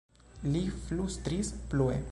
li flustris plue.